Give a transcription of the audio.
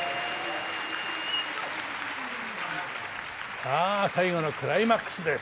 さあ最後のクライマックスです！